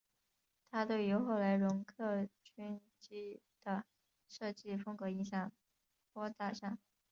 它对于后来容克军机的设计风格影响颇大上。